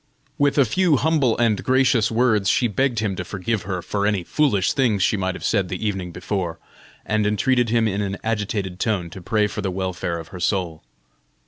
With a few humble and gracious words she begged him to forgive her for any foolish things she might have said the evening before, and entreated him in an agitated tone to pray for the welfare of her soul.